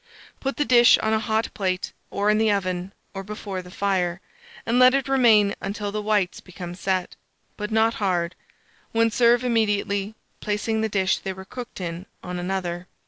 Put the dish on a hot plate, or in the oven, or before the fire, and let it remain until the whites become set, but not hard, when serve immediately, placing the dish they were cooked in on another.